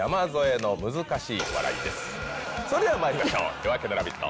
「夜明けのラヴィット！」